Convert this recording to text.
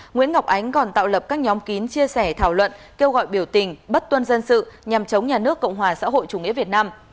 nguyễn ngọc ánh còn tạo lập các nhóm kín chia sẻ thảo luận kêu gọi biểu tình bất tuân dân sự nhằm chống nhà nước cộng hòa xã hội chủ nghĩa việt nam